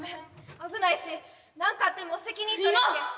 危ないし何かあっても責任とれんけん。